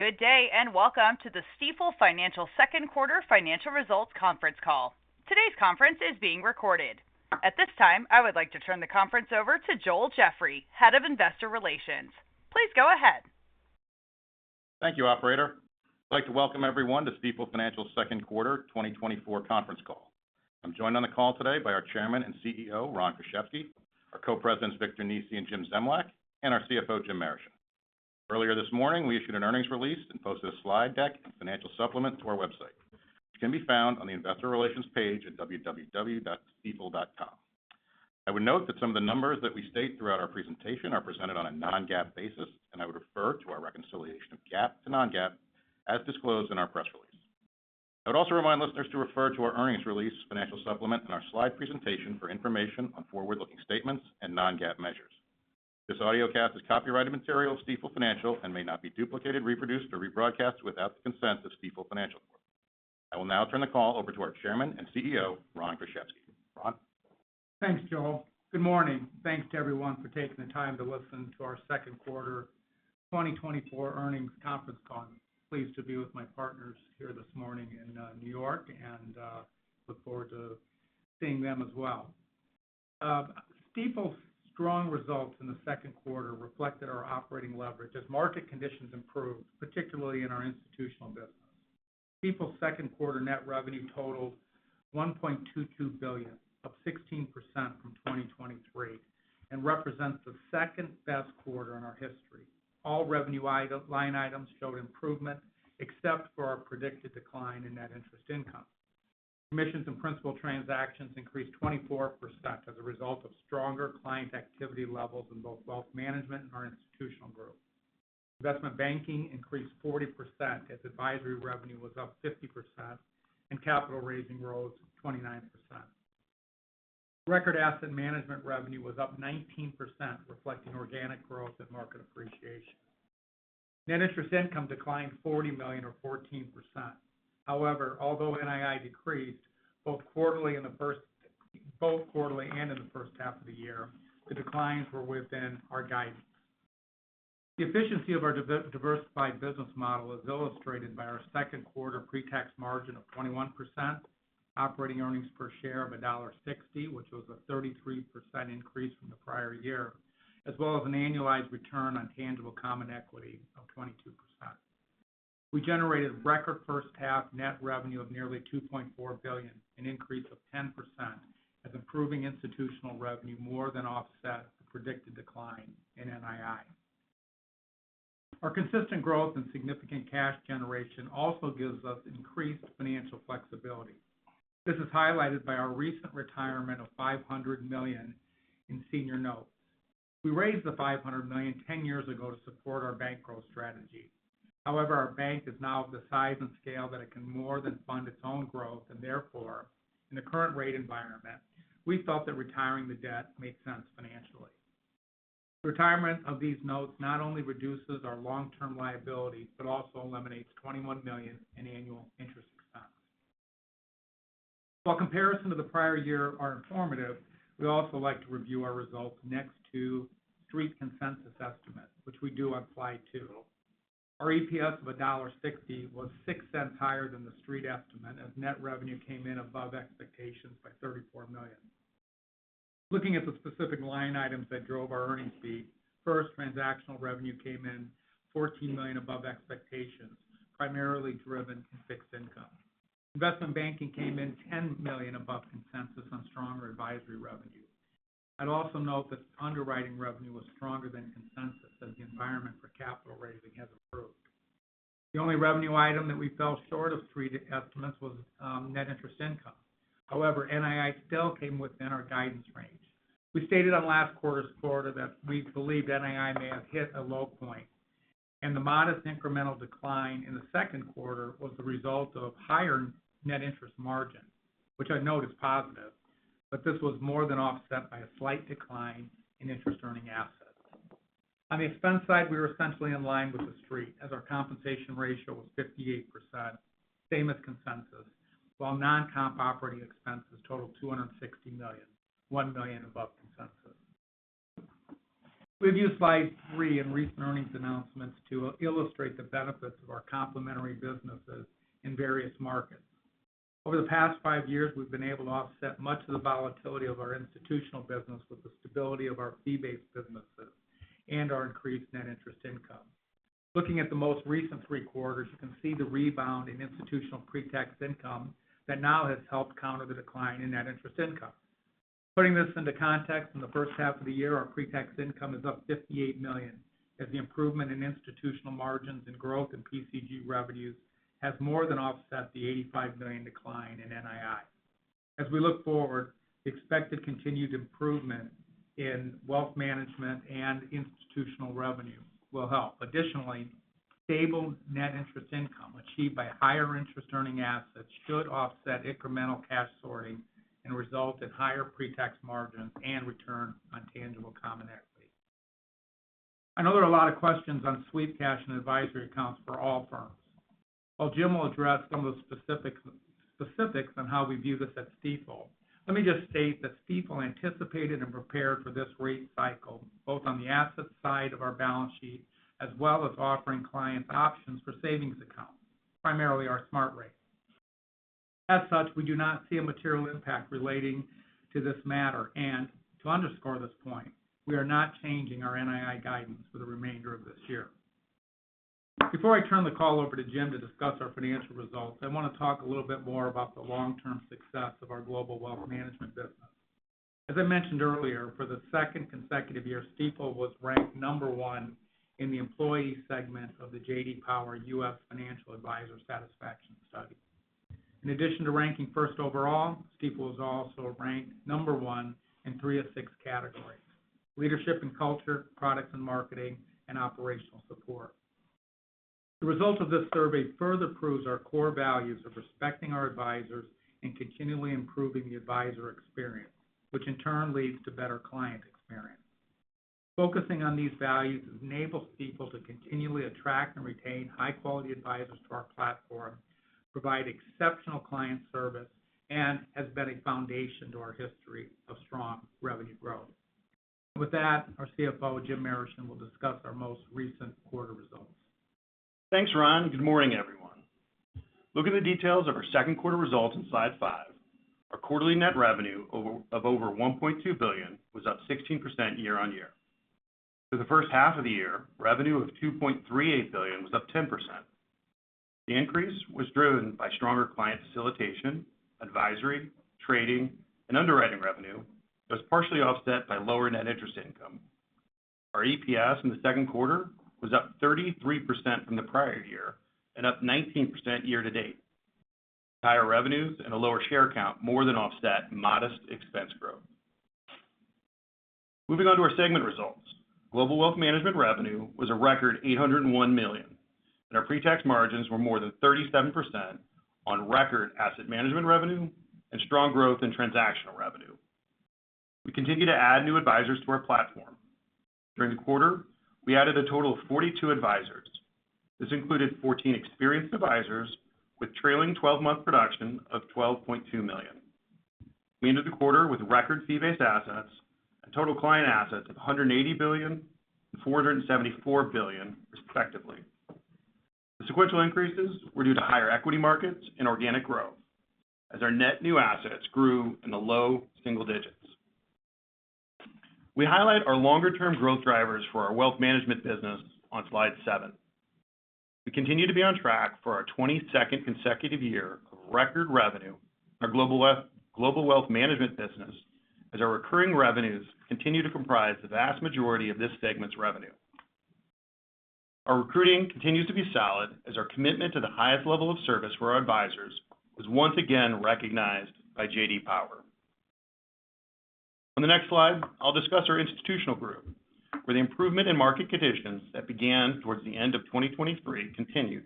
Good day, and welcome to the Stifel Financial second quarter financial results conference call. Today's conference is being recorded. At this time, I would like to turn the conference over to Joel Jeffrey, Head of Investor Relations. Please go ahead. Thank you, operator. I'd like to welcome everyone to Stifel Financial's second quarter 2024 conference call. I'm joined on the call today by our chairman and CEO, Ron Kruszewski, our co-presidents, Victor Nesi and Jim Zemlyak, and our CFO, Jim Marischen. Earlier this morning, we issued an earnings release and posted a slide deck and financial supplement to our website, which can be found on the Investor Relations page at www.stifel.com. I would note that some of the numbers that we state throughout our presentation are presented on a non-GAAP basis, and I would refer to our reconciliation of GAAP to non-GAAP as disclosed in our press release. I would also remind listeners to refer to our earnings release, financial supplement, and our slide presentation for information on forward-looking statements and non-GAAP measures. This audiocast is copyrighted material of Stifel Financial and may not be duplicated, reproduced, or rebroadcast without the consent of Stifel Financial Corp. I will now turn the call over to our Chairman and CEO, Ron Kruszewski. Ron? Thanks, Joel. Good morning. Thanks to everyone for taking the time to listen to our second quarter 2024 earnings conference call. Pleased to be with my partners here this morning in New York and look forward to seeing them as well. Stifel's strong results in the second quarter reflected our operating leverage as market conditions improved, particularly in our institutional business. Stifel's second quarter net revenue totaled $1.22 billion, up 16% from 2023, and represents the second-best quarter in our history. All revenue line items showed improvement, except for our predicted decline in Net Interest Income. Commissions and principal transactions increased 24% as a result of stronger client activity levels in both wealth management and our institutional group. Investment banking increased 40% as advisory revenue was up 50% and capital raising rose 29%. Record asset management revenue was up 19%, reflecting organic growth and market appreciation. Net Interest Income declined $40 million or 14%. However, although NII decreased both quarterly and in the first half of the year, the declines were within our guidance. The efficiency of our diversified business model is illustrated by our second quarter pre-tax margin of 21%, operating earnings per share of $1.60, which was a 33% increase from the prior year, as well as an annualized return on tangible common equity of 22%. We generated record first half net revenue of nearly $2.4 billion, an increase of 10% as improving institutional revenue more than offset the predicted decline in NII. Our consistent growth and significant cash generation also gives us increased financial flexibility. This is highlighted by our recent retirement of $500 million in senior notes. We raised the $500 million 10 years ago to support our bank growth strategy. However, our bank is now of the size and scale that it can more than fund its own growth, and therefore, in the current rate environment, we felt that retiring the debt made sense financially. Retirement of these notes not only reduces our long-term liability, but also eliminates $21 million in annual interest expense. While comparison to the prior year are informative, we also like to review our results next to Street consensus estimates, which we do on slide 2. Our EPS of $1.60 was $0.06 higher than the Street estimate, as net revenue came in above expectations by $34 million. Looking at the specific line items that drove our earnings fee, first, transactional revenue came in $14 million above expectations, primarily driven from fixed income. Investment banking came in $10 million above consensus on stronger advisory revenue. I'd also note that underwriting revenue was stronger than consensus as the environment for capital raising has improved. The only revenue item that we fell short of Street estimates was Net Interest Income. However, NII still came within our guidance range. We stated on last quarter's quarter that we believed NII may have hit a low point, and the modest incremental decline in the second quarter was the result of higher net interest margin, which I note is positive, but this was more than offset by a slight decline in interest-earning assets. On the expense side, we were essentially in line with the Street as our compensation ratio was 58%, same as consensus, while non-comp operating expenses totaled $260 million, $1 million above consensus. We've used slide 3 in recent earnings announcements to illustrate the benefits of our complementary businesses in various markets. Over the past 5 years, we've been able to offset much of the volatility of our institutional business with the stability of our fee-based businesses and our increased Net Interest Income. Looking at the most recent 3 quarters, you can see the rebound in institutional pre-tax income that now has helped counter the decline in Net Interest Income. Putting this into context, in the first half of the year, our pre-tax income is up $58 million, as the improvement in institutional margins and growth in PCG revenues has more than offset the $85 million decline in NII. As we look forward, expected continued improvement in wealth management and institutional revenue will help. Additionally, stable Net Interest Income achieved by higher interest earning assets should offset incremental cash sorting and result in higher pre-tax margins and return on tangible common equity. I know there are a lot of questions on sweep cash and advisory accounts for all firms. While Jim will address some of the specifics, specifics on how we view this at Stifel, let me just state that Stifel anticipated and prepared for this rate cycle, both on the asset side of our balance sheet, as well as offering clients options for savings accounts, primarily our Smart Rate. As such, we do not see a material impact relating to this matter, and to underscore this point, we are not changing our NII guidance for the remainder of this year. Before I turn the call over to Jim to discuss our financial results, I want to talk a little bit more about the long-term success of our global wealth management business. As I mentioned earlier, for the second consecutive year, Stifel was ranked number one in the employee segment of the J.D. Power US Financial Advisor Satisfaction Study. In addition to ranking first overall, Stifel was also ranked number one in three of six categories: leadership and culture, products and marketing, and operational support. The results of this survey further proves our core values of respecting our advisors and continually improving the advisor experience, which in turn leads to better client experience. Focusing on these values enables people to continually attract and retain high-quality advisors to our platform, provide exceptional client service, and has been a foundation to our history of strong revenue growth. With that, our CFO, Jim Marischen, will discuss our most recent quarter results. Thanks, Ron. Good morning, everyone. Looking at the details of our second quarter results on slide 5, our quarterly net revenue of over $1.2 billion was up 16% year-on-year. For the first half of the year, revenue of $2.38 billion was up 10%. The increase was driven by stronger client facilitation, advisory, trading, and underwriting revenue, that was partially offset by lower Net Interest Income. Our EPS in the second quarter was up 33% from the prior year and up 19% year to date. Higher revenues and a lower share count more than offset modest expense growth. Moving on to our segment results. Global Wealth Management revenue was a record $801 million, and our pre-tax margins were more than 37% on record Asset Management revenue and strong growth in transactional revenue. We continue to add new advisors to our platform. During the quarter, we added a total of 42 advisors. This included 14 experienced advisors with trailing twelve-month production of $12.2 million. We ended the quarter with record fee-based assets and total client assets of $180 billion and $474 billion, respectively. The sequential increases were due to higher equity markets and organic growth, as our net new assets grew in the low single digits. We highlight our longer-term growth drivers for our wealth management business on slide 7. We continue to be on track for our 22nd consecutive year of record revenue, our global wealth management business, as our recurring revenues continue to comprise the vast majority of this segment's revenue. Our recruiting continues to be solid, as our commitment to the highest level of service for our advisors was once again recognized by J.D. Power. On the next slide, I'll discuss our institutional group, where the improvement in market conditions that began towards the end of 2023 continued.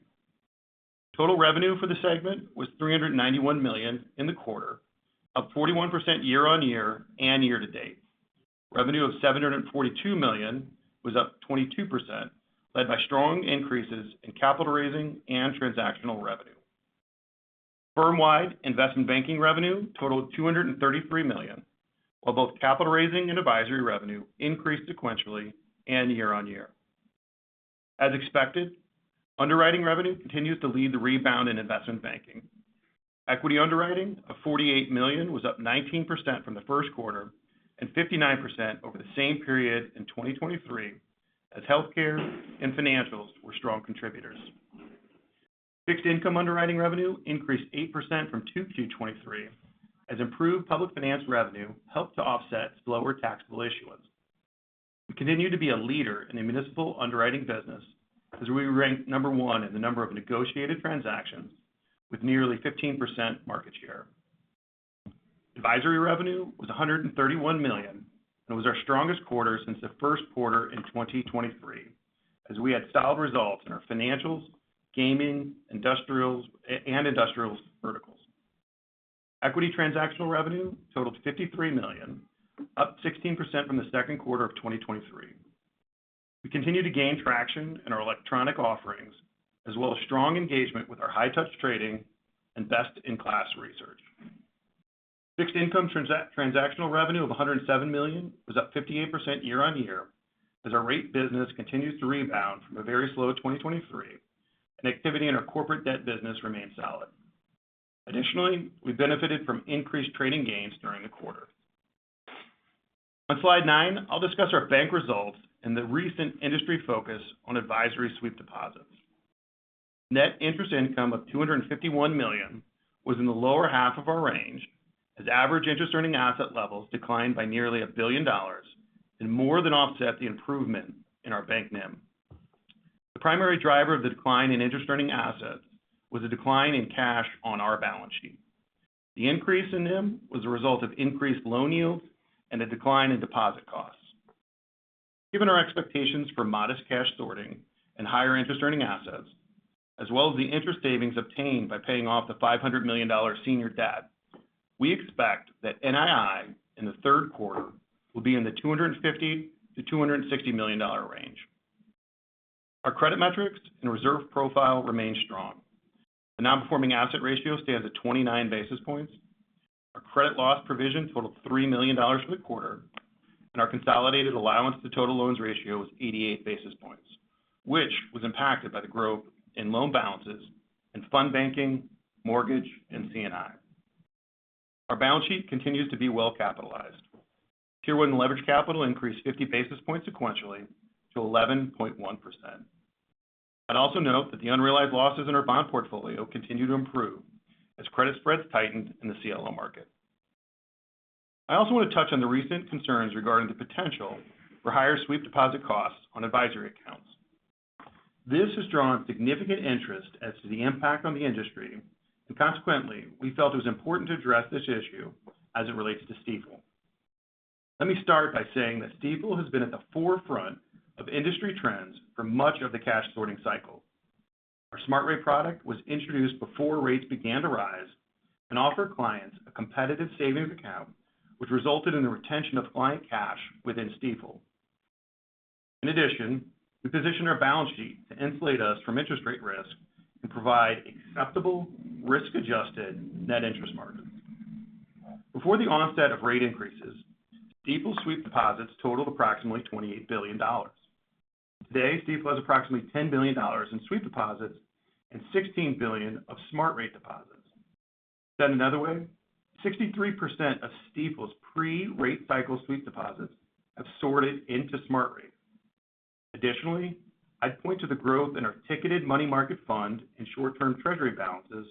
Total revenue for the segment was $391 million in the quarter, up 41% year-over-year and year-to-date. Revenue of $742 million was up 22%, led by strong increases in capital raising and transactional revenue. Firm-wide investment banking revenue totaled $233 million, while both capital raising and advisory revenue increased sequentially and year-over-year. As expected, underwriting revenue continues to lead the rebound in investment banking. Equity underwriting of $48 million was up 19% from the first quarter, and 59% over the same period in 2023, as healthcare and financials were strong contributors. Fixed income underwriting revenue increased 8% from Q2 2023, as improved public finance revenue helped to offset slower taxable issuance. We continue to be a leader in the municipal underwriting business, as we ranked number one in the number of negotiated transactions with nearly 15% market share. Advisory revenue was $131 million, and it was our strongest quarter since the first quarter in 2023, as we had solid results in our financials, gaming, industrials, and industrials verticals. Equity transactional revenue totaled $53 million, up 16% from the second quarter of 2023. We continue to gain traction in our electronic offerings, as well as strong engagement with our high touch trading and best-in-class research. Fixed income transactional revenue of $107 million was up 58% year-over-year, as our rate business continues to rebound from a very slow 2023, and activity in our corporate debt business remains solid. Additionally, we benefited from increased trading gains during the quarter. On slide 9, I'll discuss our bank results and the recent industry focus on advisory sweep deposits. Net Interest Income of $251 million was in the lower half of our range, as average interest earning asset levels declined by nearly $1 billion and more than offset the improvement in our bank NIM. The primary driver of the decline in interest-earning assets was a decline in cash on our balance sheet. The increase in NIM was a result of increased loan yields and a decline in deposit costs. Given our expectations for modest cash sorting and higher interest earning assets, as well as the interest savings obtained by paying off the $500 million senior debt. We expect that NII in the third quarter will be in the $250 million-$260 million range. Our credit metrics and reserve profile remain strong. The non-performing asset ratio stands at 29 basis points. Our credit loss provision totaled $3 million for the quarter, and our consolidated allowance to total loans ratio was 88 basis points, which was impacted by the growth in loan balances and fund banking, mortgage, and C&I. Our balance sheet continues to be well capitalized. Tier One Leverage Capital increased 50 basis points sequentially to 11.1%. I'd also note that the unrealized losses in our bond portfolio continue to improve as credit spreads tightened in the CLO market. I also want to touch on the recent concerns regarding the potential for higher sweep deposit costs on advisory accounts. This has drawn significant interest as to the impact on the industry, and consequently, we felt it was important to address this issue as it relates to Stifel. Let me start by saying that Stifel has been at the forefront of industry trends for much of the cash sorting cycle. Our Smart Rate product was introduced before rates began to rise and offered clients a competitive savings account, which resulted in the retention of client cash within Stifel. In addition, we positioned our balance sheet to insulate us from interest rate risk and provide acceptable risk-adjusted net interest margins. Before the onset of rate increases, Stifel's sweep deposits totaled approximately $28 billion. Today, Stifel has approximately $10 billion in sweep deposits and $16 billion of Smart Rate deposits. Said another way, 63% of Stifel's pre-rate cycle sweep deposits have sorted into Smart Rate. Additionally, I'd point to the growth in our ticketed money market fund and short-term treasury balances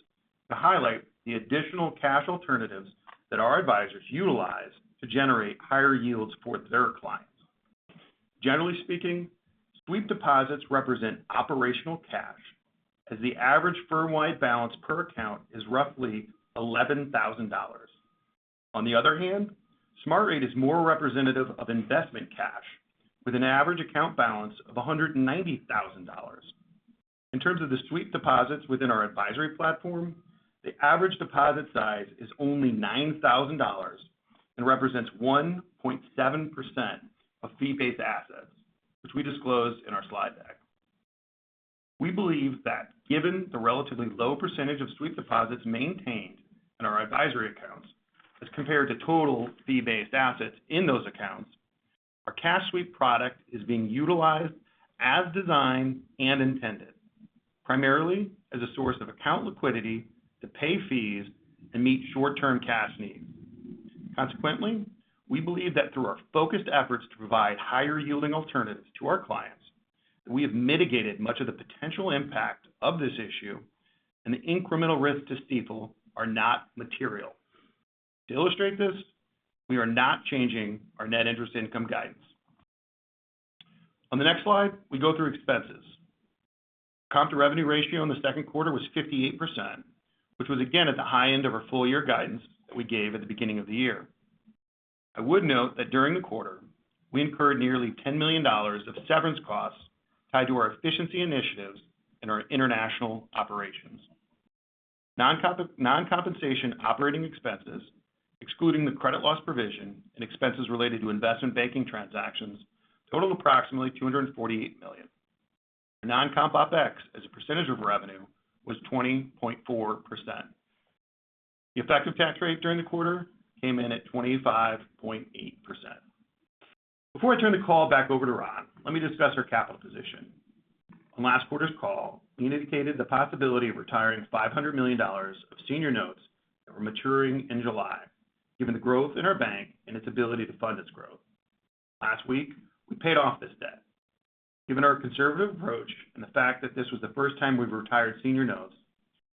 to highlight the additional cash alternatives that our advisors utilize to generate higher yields for their clients. Generally speaking, sweep deposits represent operational cash, as the average firm-wide balance per account is roughly $11,000. On the other hand, Smart Rate is more representative of investment cash, with an average account balance of $190,000. In terms of the sweep deposits within our advisory platform, the average deposit size is only $9,000 and represents 1.7% of fee-based assets, which we disclosed in our slide deck. We believe that given the relatively low percentage of sweep deposits maintained in our advisory accounts as compared to total fee-based assets in those accounts, our cash sweep product is being utilized as designed and intended, primarily as a source of account liquidity to pay fees and meet short-term cash needs. Consequently, we believe that through our focused efforts to provide higher yielding alternatives to our clients, we have mitigated much of the potential impact of this issue, and the incremental risk to Stifel are not material. To illustrate this, we are not changing our Net Interest Income guidance. On the next slide, we go through expenses. Comp to revenue ratio in the second quarter was 58%, which was again at the high end of our full year guidance that we gave at the beginning of the year. I would note that during the quarter, we incurred nearly $10 million of severance costs tied to our efficiency initiatives and our international operations. Non-compensation operating expenses, excluding the credit loss provision and expenses related to investment banking transactions, totaled approximately $248 million. The non-comp OpEx, as a percentage of revenue, was 20.4%. The effective tax rate during the quarter came in at 25.8%. Before I turn the call back over to Ron, let me discuss our capital position. On last quarter's call, we indicated the possibility of retiring $500 million of senior notes that were maturing in July, given the growth in our bank and its ability to fund its growth. Last week, we paid off this debt. Given our conservative approach and the fact that this was the first time we've retired senior notes,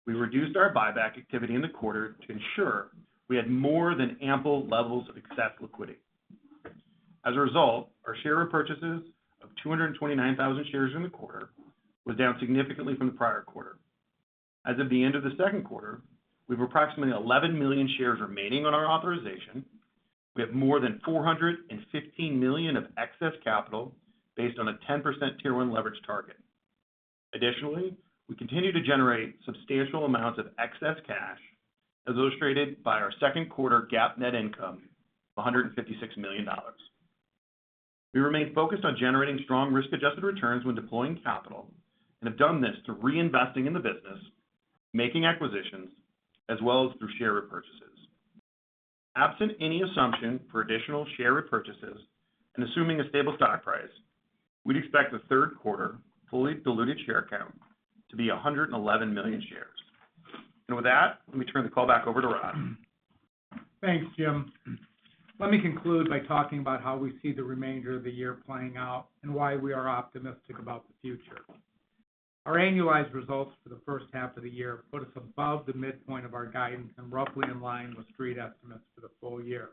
we reduced our buyback activity in the quarter to ensure we had more than ample levels of excess liquidity. As a result, our share repurchases of 229,000 shares in the quarter was down significantly from the prior quarter. As of the end of the second quarter, we have approximately 11 million shares remaining on our authorization. We have more than $415 million of excess capital based on a 10% Tier One leverage target. Additionally, we continue to generate substantial amounts of excess cash, as illustrated by our second quarter GAAP net income of $156 million. We remain focused on generating strong risk-adjusted returns when deploying capital and have done this through reinvesting in the business, making acquisitions, as well as through share repurchases. Absent any assumption for additional share repurchases and assuming a stable stock price, we'd expect the third quarter fully diluted share count to be 111 million shares. And with that, let me turn the call back over to Rod. Thanks, Jim. Let me conclude by talking about how we see the remainder of the year playing out and why we are optimistic about the future. Our annualized results for the first half of the year put us above the midpoint of our guidance and roughly in line with Street estimates for the full year.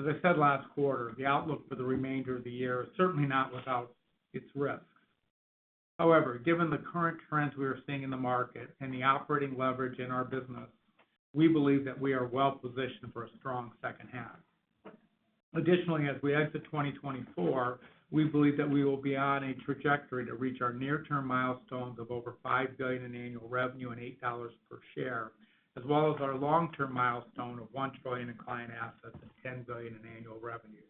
As I said last quarter, the outlook for the remainder of the year is certainly not without its risks. However, given the current trends we are seeing in the market and the operating leverage in our business, we believe that we are well positioned for a strong second half. Additionally, as we exit 2024, we believe that we will be on a trajectory to reach our near-term milestones of over $5 billion in annual revenue and $8 per share, as well as our long-term milestone of $1 trillion in client assets and $10 billion in annual revenue.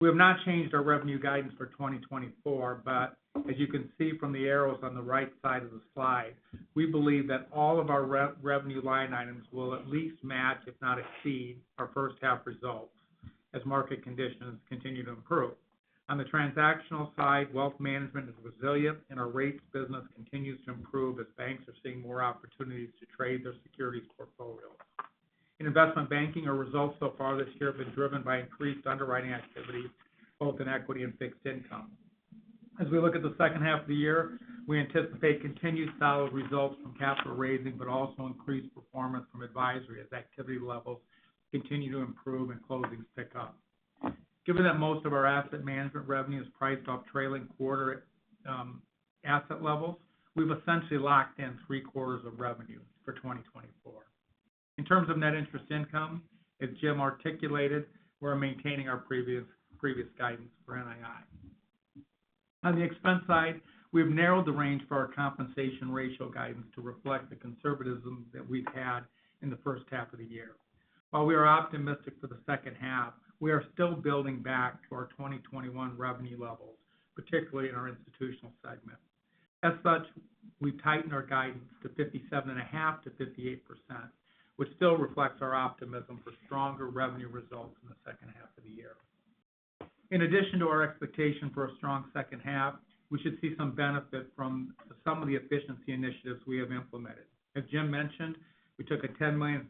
We have not changed our revenue guidance for 2024, but as you can see from the arrows on the right side of the slide, we believe that all of our revenue line items will at least match, if not exceed, our first half results as market conditions continue to improve. On the transactional side, wealth management is resilient, and our rates business continues to improve as banks are seeing more opportunities to trade their securities portfolio. In investment banking, our results so far this year have been driven by increased underwriting activity, both in equity and fixed income. As we look at the second half of the year, we anticipate continued solid results from capital raising, but also increased performance from advisory as activity levels continue to improve and closings pick up. Given that most of our asset management revenue is priced off trailing quarter, asset levels, we've essentially locked in three quarters of revenue for 2024. In terms of Net Interest Income, as Jim articulated, we're maintaining our previous guidance for NII. On the expense side, we've narrowed the range for our compensation ratio guidance to reflect the conservatism that we've had in the first half of the year. While we are optimistic for the second half, we are still building back to our 2021 revenue levels, particularly in our institutional segment. As such, we've tightened our guidance to 57.5%-58%, which still reflects our optimism for stronger revenue results in the second half of the year. In addition to our expectation for a strong second half, we should see some benefit from some of the efficiency initiatives we have implemented. As Jim mentioned, we took a $10 million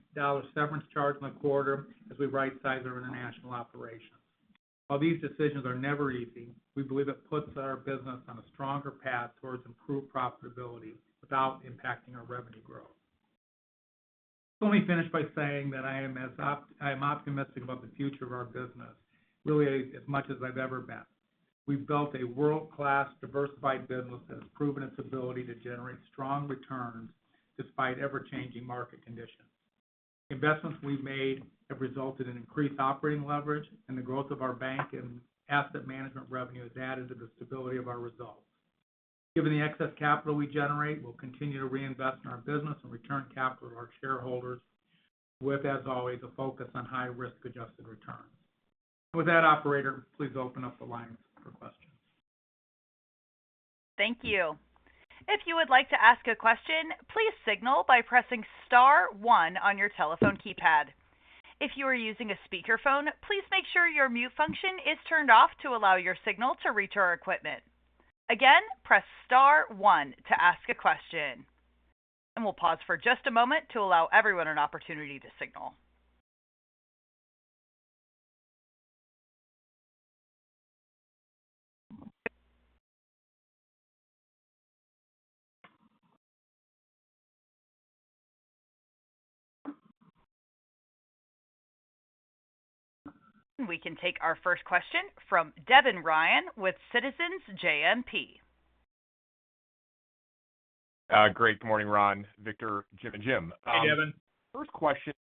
severance charge in the quarter as we right-sized our international operations. While these decisions are never easy, we believe it puts our business on a stronger path towards improved profitability without impacting our revenue growth. Let me finish by saying that I am optimistic about the future of our business, really as much as I've ever been. We've built a world-class, diversified business that has proven its ability to generate strong returns despite ever-changing market conditions. Investments we've made have resulted in increased operating leverage, and the growth of our bank and asset management revenue has added to the stability of our results. Given the excess capital we generate, we'll continue to reinvest in our business and return capital to our shareholders with, as always, a focus on high-risk-adjusted returns. With that, operator, please open up the lines for questions. Thank you. If you would like to ask a question, please signal by pressing star one on your telephone keypad. If you are using a speakerphone, please make sure your mute function is turned off to allow your signal to reach our equipment. Again, press star one to ask a question, and we'll pause for just a moment to allow everyone an opportunity to signal. We can take our first question from Devin Ryan with Citizens JMP. Great. Good morning, Ron, Victor, Jim and Jim. Hey, Devin. First question.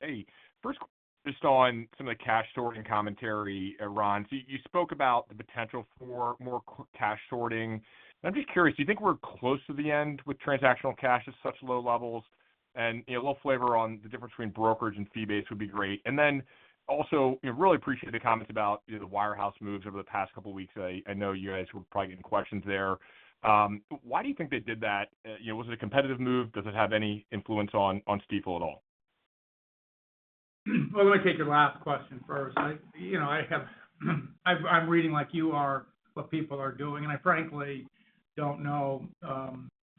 Hey. First, just on some of the cash sorting commentary, Ron. So you spoke about the potential for more cash sorting. I'm just curious, do you think we're close to the end with transactional cash at such low levels? And, you know, a little flavor on the difference between brokerage and fee-based would be great. And then also, I really appreciate the comments about the wirehouse moves over the past couple of weeks. I know you guys were probably getting questions there. Why do you think they did that? You know, was it a competitive move? Does it have any influence on Stifel at all? Well, let me take your last question first. I, you know, I'm reading like you are what people are doing, and I frankly don't know,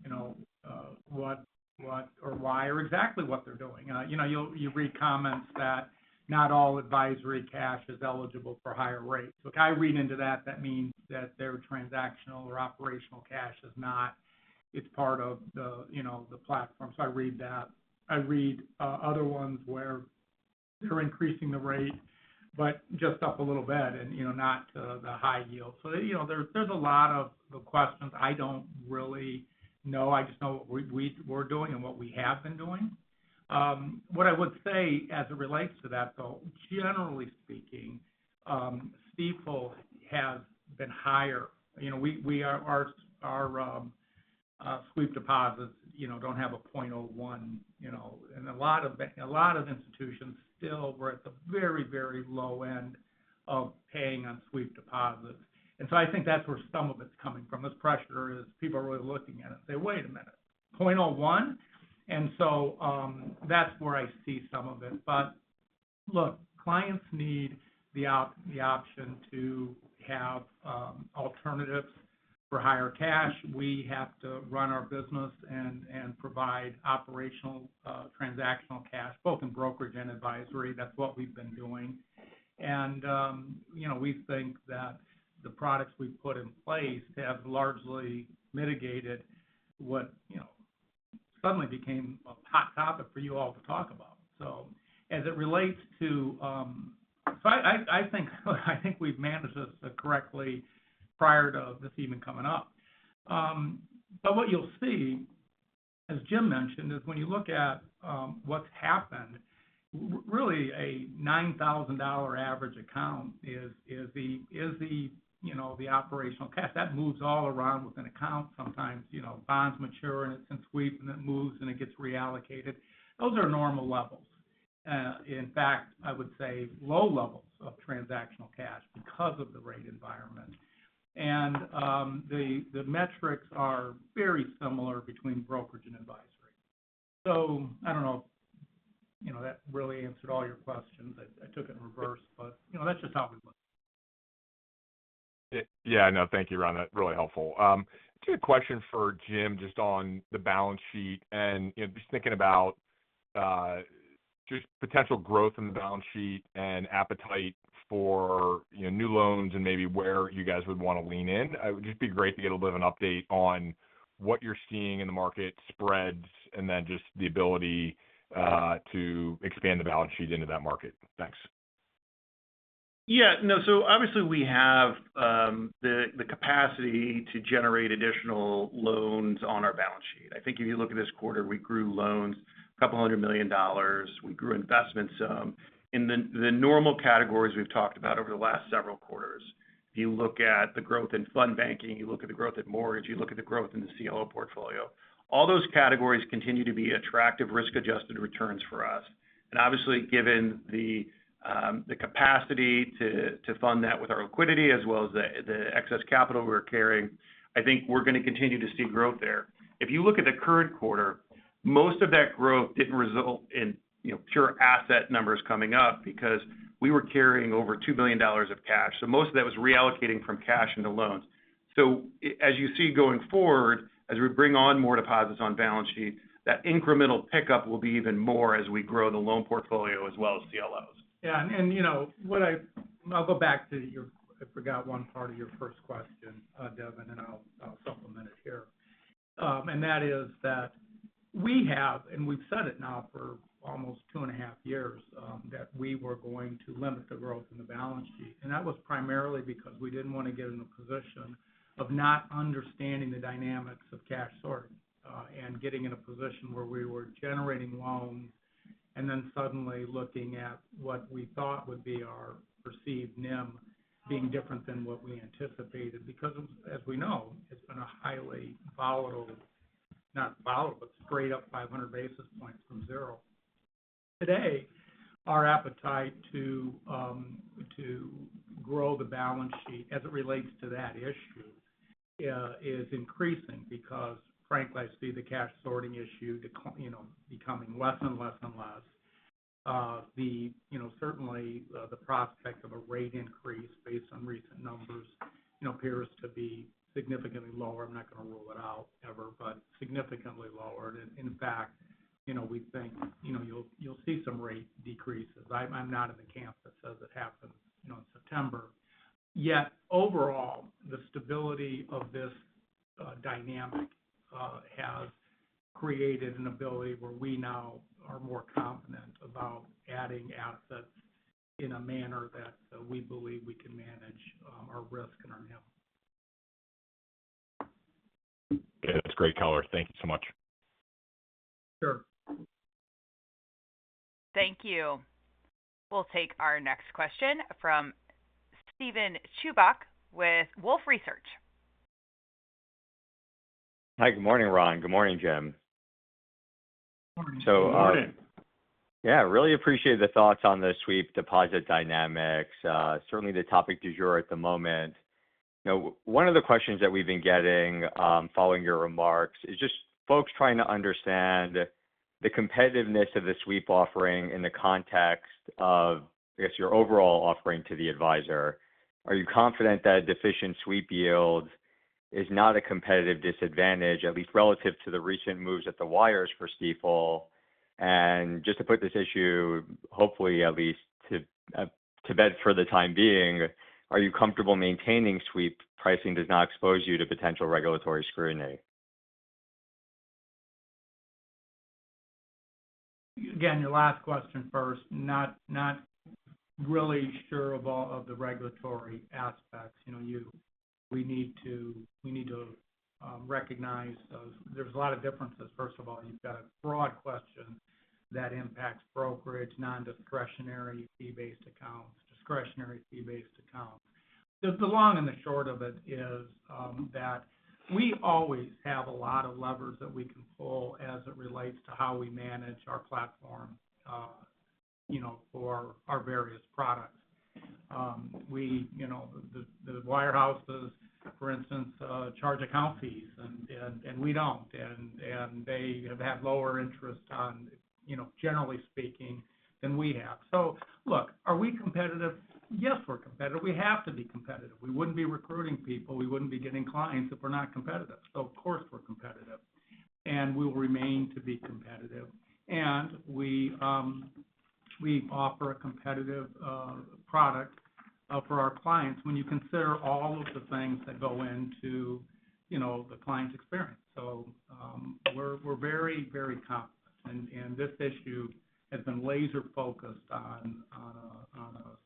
you know, what or why or exactly what they're doing. You know, you'll read comments that not all advisory cash is eligible for higher rates. So if I read into that, that means that their transactional or operational cash is not. It's part of the, you know, the platform. So I read that. I read other ones where they're increasing the rate, but just up a little bit and, you know, not to the high yield. So, you know, there's a lot of questions. I don't really know. I just know what we're doing and what we have been doing. What I would say as it relates to that, though, generally speaking, Stifel has been higher. You know, we are our sweep deposits, you know, don't have a 0.01, you know, and a lot of, a lot of institutions still were at the very, very low end of paying on sweep deposits. And so I think that's where some of it's coming from. This pressure is people are really looking at it and say, "Wait a minute, 0.01?" And so, that's where I see some of it. But look, clients need the option to have, alternatives for higher cash. We have to run our business and, and provide operational, transactional cash, both in brokerage and advisory. That's what we've been doing. You know, we think that the products we've put in place have largely mitigated what, you know, suddenly became a hot topic for you all to talk about. So as it relates to, I think we've managed this correctly prior to this even coming up. But what you'll see, as Jim mentioned, is when you look at what's happened, really a $9,000 average account is the, you know, the operational cash. That moves all around with an account. Sometimes, you know, bonds mature, and it's in sweep, and it moves, and it gets reallocated. Those are normal levels. In fact, I would say low levels of transactional cash because of the rate environment. And the metrics are very similar between brokerage and advisory. I don't know, you know, if that really answered all your questions. I took it in reverse, but, you know, that's just how we look. Yeah, I know. Thank you, Ron. That's really helpful. I have a question for Jim, just on the balance sheet and, you know, just thinking about just potential growth in the balance sheet and appetite for, you know, new loans and maybe where you guys would want to lean in. It would just be great to get a bit of an update on what you're seeing in the market spreads, and then just the ability to expand the balance sheet into that market. Thanks. Yeah. No, so obviously, we have the capacity to generate additional loans on our balance sheet. I think if you look at this quarter, we grew loans $200 million. We grew investments in the normal categories we've talked about over the last several quarters. If you look at the growth in fund banking, you look at the growth in mortgage, you look at the growth in the CLO portfolio, all those categories continue to be attractive risk-adjusted returns for us. And obviously, given the capacity to fund that with our liquidity as well as the excess capital we're carrying, I think we're going to continue to see growth there. If you look at the current quarter, most of that growth didn't result in, you know, pure asset numbers coming up because we were carrying over $2 billion of cash, so most of that was reallocating from cash into loans. So as you see going forward, as we bring on more deposits on balance sheet, that incremental pickup will be even more as we grow the loan portfolio as well as CLOs. Yeah, and, you know, what I-- I'll go back to your. I forgot one part of your first question, Devin, and I'll supplement it here. And that is that we have, and we've said it now for almost two and a half years, that we were going to limit the growth in the balance sheet, and that was primarily because we didn't want to get in a position of not understanding the dynamics of cash sorting, and getting in a position where we were generating loans, and then suddenly looking at what we thought would be our perceived NIM being different than what we anticipated. Because as we know, it's been a highly volatile, not volatile, but straight up 500 basis points from zero. Today, our appetite to grow the balance sheet as it relates to that issue is increasing because frankly, I see the cash sorting issue you know, becoming less and less and less. The, you know, certainly, the prospect of a rate increase based on recent numbers, you know, appears to be significantly lower. I'm not going to rule it out ever, but significantly lower. In fact, you know, we think, you know, you'll you'll see some rate decreases. I'm not in the camp that says it happens, you know, in September. Yet overall, the stability of this dynamic has created an ability where we now are more confident about adding assets in a manner that we believe we can manage our risk and our NIM. That's great color. Thank you so much. Sure. Thank you. We'll take our next question from Steven Chubak with Wolfe Research. Hi, good morning, Ron. Good morning, Jim. Good morning. Good morning. Yeah, really appreciate the thoughts on the sweep deposit dynamics, certainly the topic du jour at the moment. Now, one of the questions that we've been getting, following your remarks is just folks trying to understand the competitiveness of the sweep offering in the context of, I guess, your overall offering to the advisor. Are you confident that a deficient sweep yield is not a competitive disadvantage, at least relative to the recent moves at the wires for Stifel? And just to put this issue, hopefully, at least to bed for the time being, are you comfortable maintaining sweep pricing does not expose you to potential regulatory scrutiny? Again, your last question first, not really sure of all of the regulatory aspects. You know, we need to, we need to, recognize those. There's a lot of differences. First of all, you've got a broad question that impacts brokerage, non-discretionary, fee-based accounts, discretionary fee-based accounts. The long and the short of it is, that we always have a lot of levers that we can pull as it relates to how we manage our platform, you know, for our various products. We, you know, the wirehouses, for instance, charge account fees, and we don't. And they have had lower interest on, you know, generally speaking, than we have. So look, are we competitive? Yes, we're competitive. We have to be competitive. We wouldn't be recruiting people, we wouldn't be getting clients if we're not competitive. Of course, we're competitive, and we'll remain to be competitive. We offer a competitive product for our clients when you consider all of the things that go into, you know, the client's experience. We're very, very confident, and this issue has been laser-focused on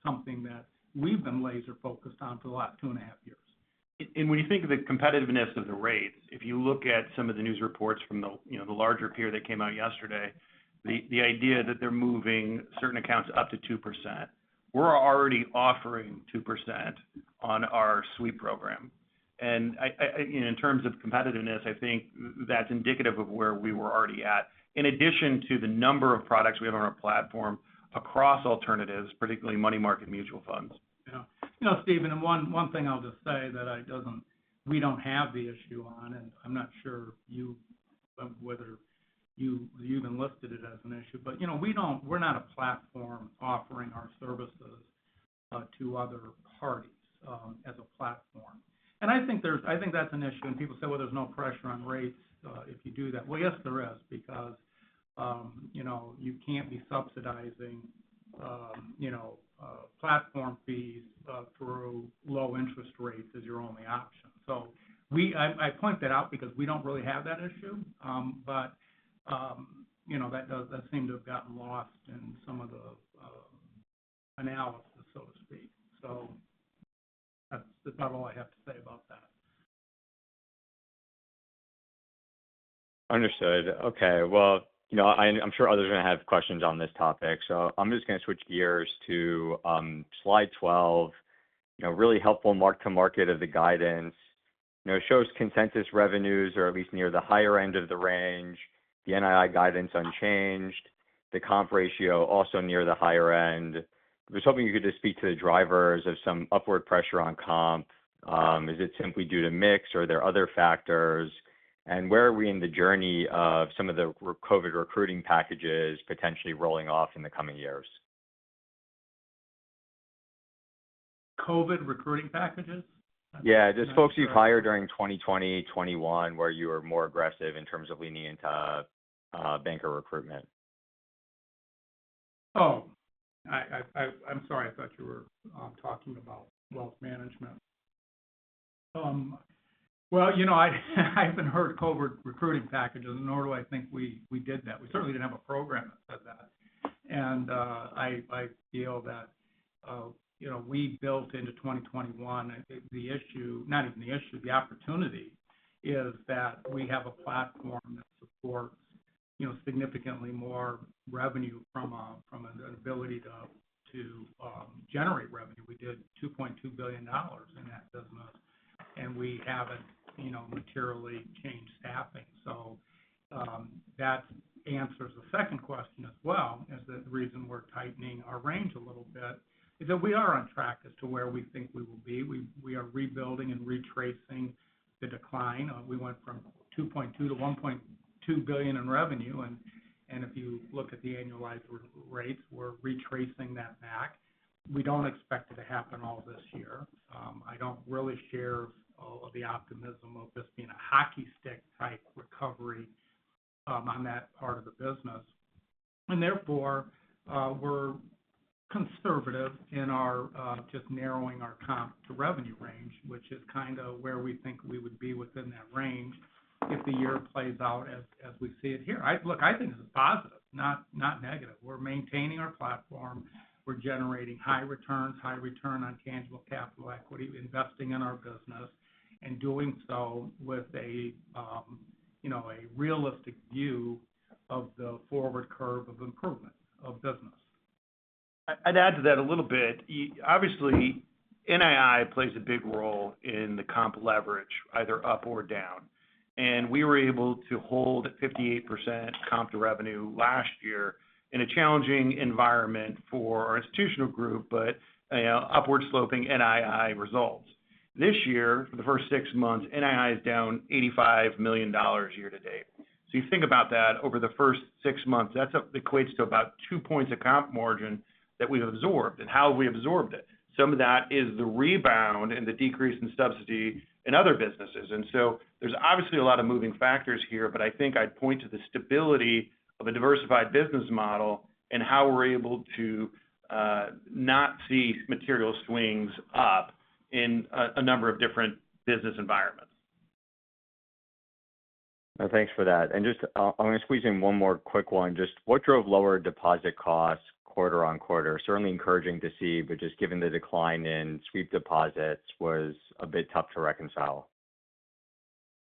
something that we've been laser-focused on for the last two and a half years. When you think of the competitiveness of the rates, if you look at some of the news reports from the, you know, the larger peer that came out yesterday, the idea that they're moving certain accounts up to 2%. We're already offering 2% on our Sweep Program. And you know, in terms of competitiveness, I think that's indicative of where we were already at. In addition to the number of products we have on our platform across alternatives, particularly money market mutual funds. Yeah. You know, Steven, and one thing I'll just say that it doesn't-- we don't have the issue on, and I'm not sure whether you even listed it as an issue. But, you know, we don't-- we're not a platform offering our services to other parties as a platform. And I think there's-- I think that's an issue, and people say, "Well, there's no pressure on rates if you do that." Well, yes, there is, because you know, you can't be subsidizing you know, platform fees through low interest rates as your only option. So we-- I point that out because we don't really have that issue. But, you know, that does-- that seemed to have gotten lost in some of the analysis, so to speak. So that's about all I have to say about that. Understood. Okay. Well, you know, I, I'm sure others are going to have questions on this topic, so I'm just going to switch gears to slide 12. You know, really helpful mark-to-market of the guidance. You know, it shows consensus revenues are at least near the higher end of the range, the NII guidance unchanged, the comp ratio also near the higher end. I was hoping you could just speak to the drivers of some upward pressure on comp. Is it simply due to mix, or are there other factors? And where are we in the journey of some of the re-COVID recruiting packages potentially rolling off in the coming years? COVID recruiting packages? Yeah, just folks you've hired during 2020, 2021, where you were more aggressive in terms of leaning into banker recruitment. Oh, I'm sorry, I thought you were talking about wealth management. Well, you know, I haven't heard COVID recruiting packages, nor do I think we did that. We certainly didn't have a program that did that. And I feel that, you know, we built into 2021. The issue - not even the issue, the opportunity is that we have a platform that supports, you know, significantly more revenue from an ability to generate revenue. We did $2.2 billion in that business, and we haven't, you know, materially changed staffing. So, that answers the second question as well, is that the reason we're tightening our range a little bit is that we are on track as to where we think we will be. We are rebuilding and retracing the decline. We went from $2.2 billion to $1.2 billion in revenue, and if you look at the annualized re-rates, we're retracing that back. We don't expect it to happen all this year. I don't really share all of the optimism of this being a hockey stick type recovery on that part of the business. And therefore, we're conservative in our just narrowing our comp to revenue range, which is kind of where we think we would be within that range if the year plays out as we see it here. Look, I think this is positive, not negative. We're maintaining our platform. We're generating high returns, high return on tangible common equity, investing in our business, and doing so with a you know, a realistic view of the forward curve of improvement of business. I'd add to that a little bit. Obviously, NII plays a big role in the comp leverage, either up or down, and we were able to hold 58% comp to revenue last year in a challenging environment for our institutional group, but, you know, upward sloping NII results. This year, for the first six months, NII is down $85 million year to date. So you think about that, over the first six months, that equates to about two points of comp margin that we've absorbed. And how have we absorbed it? Some of that is the rebound and the decrease in subsidy in other businesses. And so there's obviously a lot of moving factors here, but I think I'd point to the stability of a diversified business model and how we're able to not see material swings up in a number of different business environments. Thanks for that. Just, I'm going to squeeze in one more quick one. Just, what drove lower deposit costs quarter-over-quarter? Certainly encouraging to see, but just given the decline in sweep deposits was a bit tough to reconcile.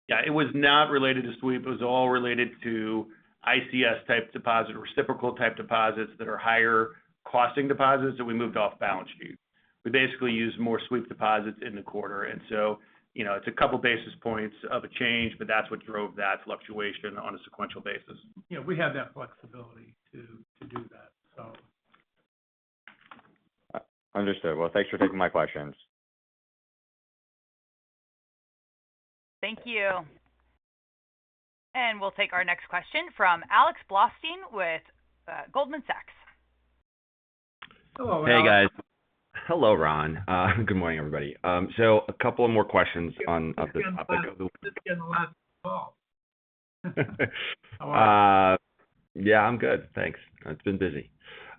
Yeah, it was not related to sweep. It was all related to ICS-type deposit, reciprocal-type deposits that are higher costing deposits that we moved off balance sheet. We basically used more sweep deposits in the quarter, and so, you know, it's a couple basis points of a change, but that's what drove that fluctuation on a sequential basis. Yeah, we have that flexibility to, to do that, so. Understood. Well, thanks for taking my questions. Thank you. And we'll take our next question from Alex Blostein with Goldman Sachs. Hello, Alex. Hey, guys. Hello, Ron. Good morning, everybody. So a couple of more questions on, of the topic of the- It's been a long time. How are you? Yeah, I'm good. Thanks. It's been busy.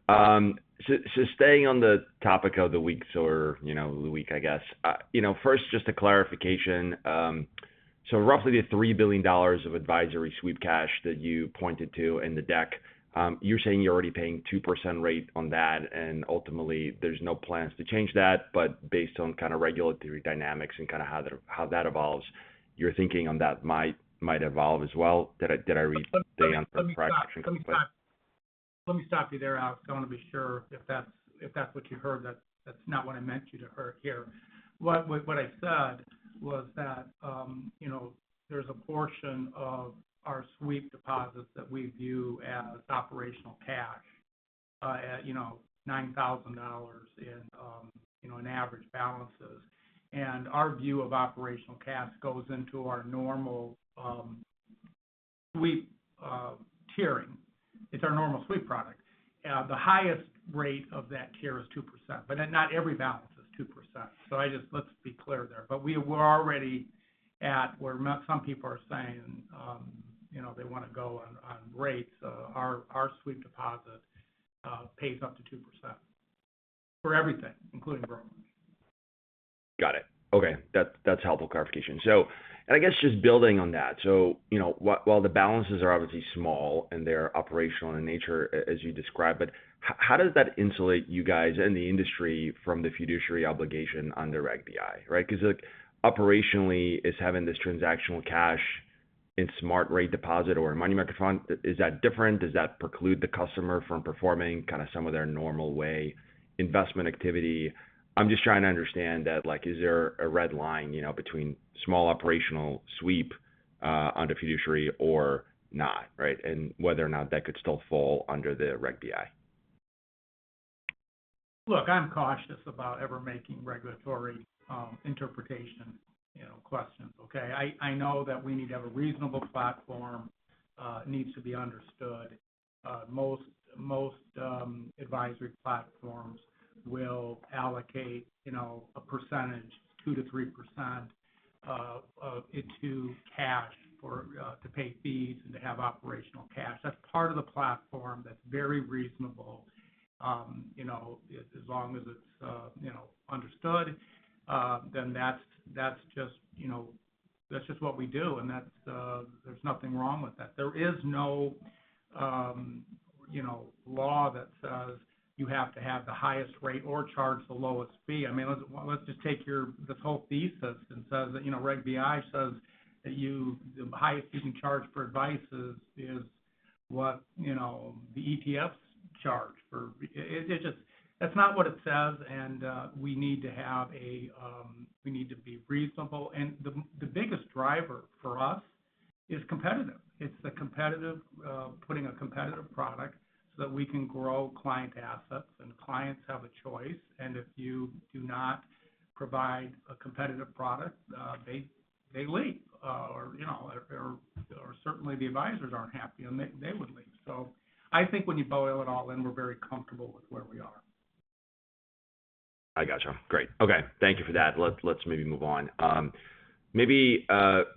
So staying on the topic of the week or, you know, the week, I guess. You know, first, just a clarification. So roughly the $3 billion of advisory sweep cash that you pointed to in the deck, you're saying you're already paying 2% rate on that, and ultimately, there's no plans to change that, but based on kind of regulatory dynamics and kind of how that evolves, your thinking on that might evolve as well. Did I read the answer correctly? Let me stop you there, Alex. I want to be sure if that's what you heard, that's not what I meant you to hear. What I said was that, you know, there's a portion of our sweep deposits that we view as operational cash, at, you know, $9,000 in average balances. And our view of operational cash goes into our normal sweep tiering. It's our normal sweep product. The highest rate of that tier is 2%, but not every balance is 2%. So let's be clear there. But we're already at where some people are saying, you know, they want to go on rates. So our sweep deposit pays up to 2% for everything, including brokers. Got it. Okay. That's helpful clarification. I guess just building on that, you know, while the balances are obviously small and they're operational in nature as you described, but how does that insulate you guys and the industry from the fiduciary obligation under Reg BI, right? Because, look, operationally, is having this transactional cash in Smart Rate deposit or money market fund, is that different? Does that preclude the customer from performing kind of some of their normal way investment activity? I'm just trying to understand that, like, is there a red line, you know, between small operational sweep under fiduciary or not, right? And whether or not that could still fall under the Reg BI. Look, I'm cautious about ever making regulatory, interpretation, you know, questions, okay? I, I know that we need to have a reasonable platform, needs to be understood. Most, most, advisory platforms will allocate, you know, a percentage, 2%-3%, into cash for, to pay fees and to have operational cash. That's part of the platform that's very reasonable. You know, as long as it's, you know, understood, then that's, that's just, you know, that's just what we do, and that's, there's nothing wrong with that. There is no, you know, law that says you have to have the highest rate or charge the lowest fee. I mean, let's, let's just take this whole thesis and says that, you know, Reg BI says that you, the highest you can charge for advice is, is what, you know, the ETFs charge for. It, it just. That's not what it says, and we need to have a, we need to be reasonable. And the, the biggest driver for us is competitive. It's the competitive, putting a competitive product so that we can grow client assets, and clients have a choice, and if you do not provide a competitive product, they, they leave, or, you know, or, or certainly the advisors aren't happy, and they, they would leave. So I think when you boil it all in, we're very comfortable with where we are. I got you. Great. Okay, thank you for that. Let's maybe move on. Maybe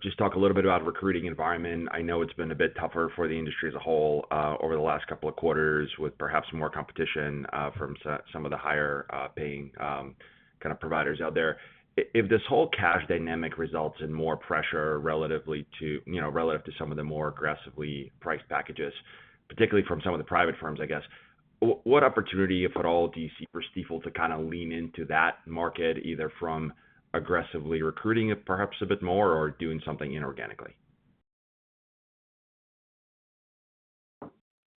just talk a little bit about recruiting environment. I know it's been a bit tougher for the industry as a whole over the last couple of quarters, with perhaps more competition from some of the higher paying kind of providers out there. If this whole cash dynamic results in more pressure relatively to, you know, relative to some of the more aggressively priced packages, particularly from some of the private firms, I guess, what opportunity, if at all, do you see for Stifel to kind of lean into that market, either from aggressively recruiting, perhaps a bit more, or doing something inorganically?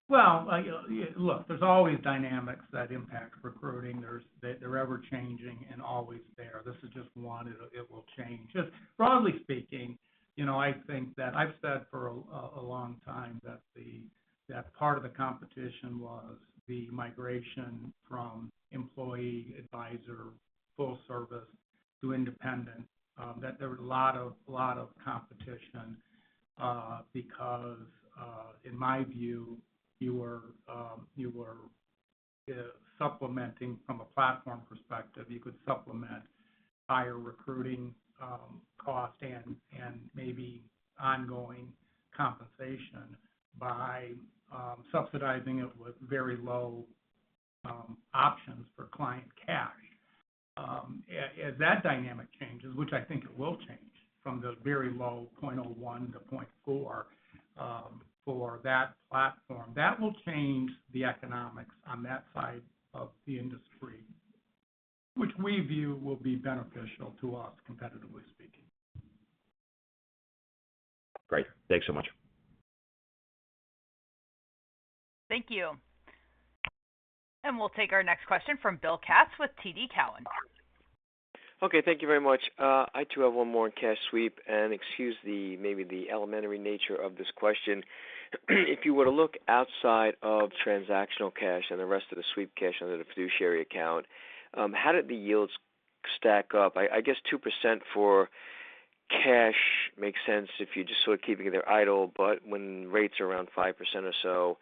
Well, like, look, there's always dynamics that impact recruiting. They're ever-changing and always there. This is just one, it will change. Just broadly speaking, you know, I think that I've said for a long time that that part of the competition was the migration from employee advisor full service to independent, that there was a lot of competition because in my view, you were supplementing from a platform perspective. You could supplement higher recruiting cost and maybe ongoing compensation by subsidizing it with very low options for client cash. As that dynamic changes, which I think it will change from the very low 0.01 to 0.4, for that platform, that will change the economics on that side of the industry, which we view will be beneficial to us, competitively speaking. Great. Thanks so much. Thank you. And we'll take our next question from Bill Katz with TD Cowen. Okay, thank you very much. I too, have one more on cash sweep, and excuse the, maybe the elementary nature of this question. If you were to look outside of transactional cash and the rest of the sweep cash under the fiduciary account, how did the yields stack up? I guess 2% for cash makes sense if you're just sort of keeping it there idle, but when rates are around 5% or so,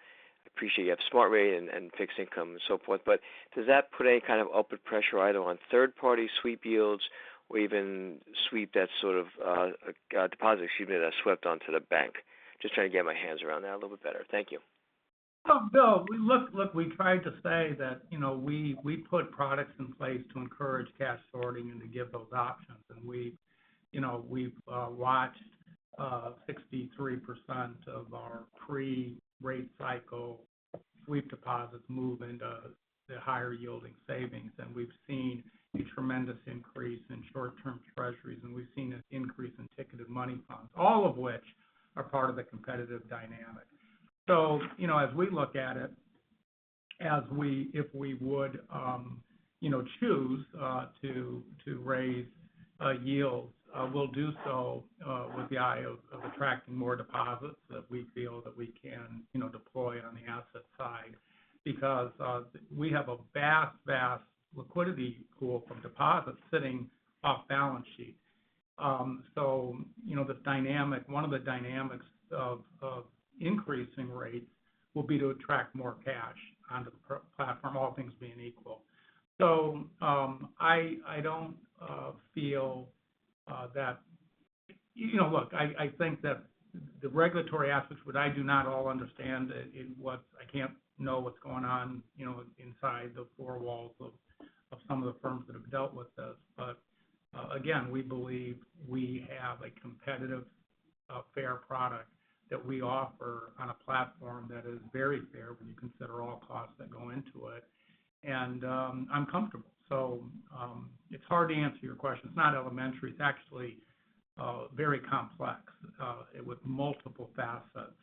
appreciate you have Smart Rate and, and fixed income and so forth. But does that put any kind of upward pressure either on third-party sweep yields or even sweep that sort of, deposit, excuse me, that swept onto the bank? Just trying to get my hands around that a little bit better. Thank you. Well, Bill, we tried to say that, you know, we put products in place to encourage cash sorting and to give those options. And we, you know, we've watched 63% of our pre-rate cycle sweep deposits move into the higher-yielding savings. And we've seen a tremendous increase in short-term treasuries, and we've seen an increase in ticketed money funds, all of which are part of the competitive dynamic. So, you know, as we look at it, if we would, you know, choose to raise yields, we'll do so with the eye of attracting more deposits that we feel that we can, you know, deploy on the asset side. Because we have a vast, vast liquidity pool from deposits sitting off balance sheet. So, you know, the dynamic, one of the dynamics of increasing rates will be to attract more cash onto the platform, all things being equal. So, I don't feel that. You know, look, I think that the regulatory aspects, which I do not all understand, I can't know what's going on, you know, inside the four walls of some of the firms that have dealt with this. But, again, we believe we have a competitive, fair product that we offer on a platform that is very fair when you consider all costs that go into it, and I'm comfortable. So, it's hard to answer your question. It's not elementary. It's actually very complex with multiple facets,